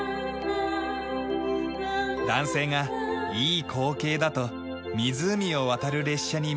男性がいい光景だと湖を渡る列車に目を細める。